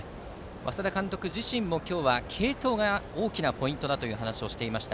稙田監督自身も今日は継投がポイントだと話していました。